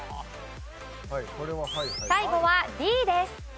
最後はＤです。